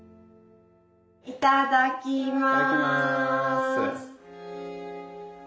いただきます！